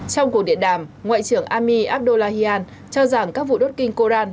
trong cuộc điện đàm ngoại trưởng amir abdullahian cho rằng các vụ đốt kinh quran